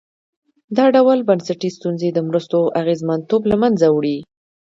دا ډول بنسټي ستونزې د مرستو اغېزمنتوب له منځه وړي.